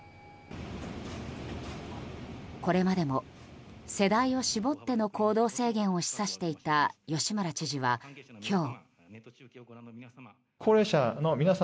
これまでも、世代を絞っての行動制限を示唆していた吉村知事は今日。